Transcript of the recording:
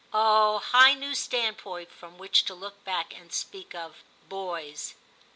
Oh, high new standpoint from which to look back and speak of * boys '